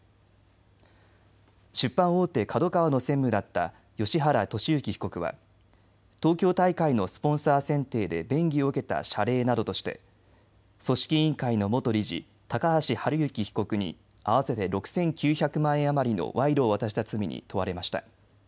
出版大手、ＫＡＤＯＫＡＷＡの専務だった芳原世幸被告は東京大会のスポンサー選定で便宜を受けた謝礼などとして組織委員会の元理事、高橋治之被告に合わせて６９００万円余りの賄賂を渡した罪に問われました。